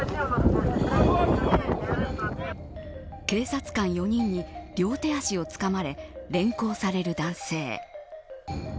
警察官４人に両手足をつかまれ連行される男性。